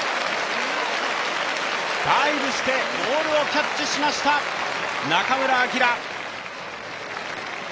ダイブしてボールをキャッチしました中村晃。